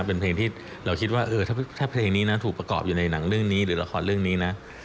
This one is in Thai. เพราะเพลงนี้นะถูกประกอบอยู่ในหนังเรื่องนี้หรือละครเรื่องนี้นะ